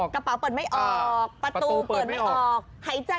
เขาเป็นผู้ก่อเหตุผู้ประสบเหตุ